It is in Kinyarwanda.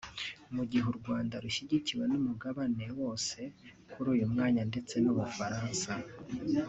Mu gihe u Rwanda rushyigikiwe n’umugabane wose kuri uyu mwanya ndetse n’u Bufaransa